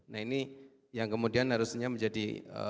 nah ini yang kemudian harusnya menjadi